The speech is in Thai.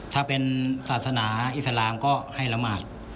ถ้าเป็นศาสนาอิสลามก็ให้ละหมาด